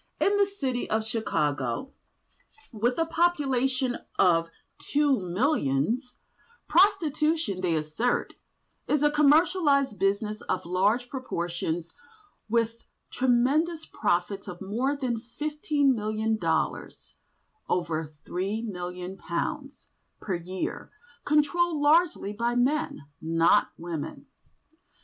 In this city of Chicago (with a population of two millions) prostitution, they assert, is a "Commercialised Business of large proportions with tremendous profits of more than fifteen million dollars (over £3,000,000) per year, controlled largely by men, not women.